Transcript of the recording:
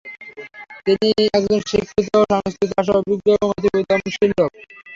তিনি একজন শিক্ষিত, সংস্কৃত ভাষায় অভিজ্ঞ এবং অতীব উদ্যমশীল লোক।